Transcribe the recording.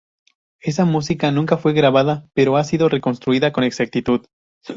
Esa música nunca fue grabada, pero ha sido reconstruida con exactitud.